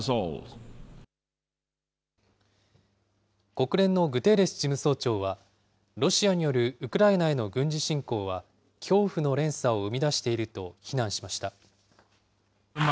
国連のグテーレス事務総長は、ロシアによるウクライナへの軍事侵攻は、恐怖の連鎖を生み出していると非難しました。